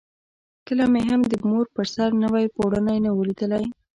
کله مې هم د مور پر سر نوی پوړونی نه وو لیدلی.